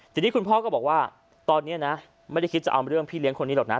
ทีนี้คุณพ่อก็บอกว่าตอนนี้นะไม่ได้คิดจะเอาเรื่องพี่เลี้ยคนนี้หรอกนะ